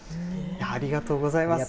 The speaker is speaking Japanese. ありがとうございます。